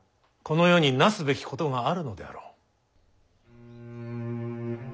この世に成すべきことがあるのであろう。